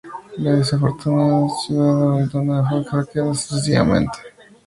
La desafortunada ciudad abandonada fue saqueada, sucesivamente, por fuerzas rusas, chinas y japonesas.